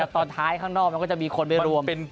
ตอนท้ายข้างนอกมันก็จะมีคนไปรวม